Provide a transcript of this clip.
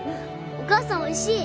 お母さんおいしい。